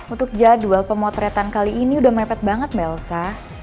untuk jadwal pemotretan kali ini udah mepet banget melsa